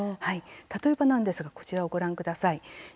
例えばなんですがこちらをご覧ください。